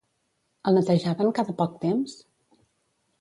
El netejaven cada poc temps?